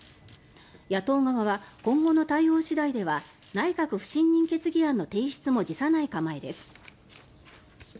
野党側は今後の対応次第では内閣不信任決議案の提出も辞さない構えです。